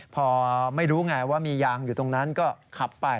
พอไม่รู้ไงว่ามียางอยู่ตรงนั้นก็ขับไป